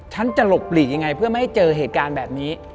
ฉันจะหลบหลีกยังไงเพื่อไม่ให้เจอเหตุการณ์แบบนี้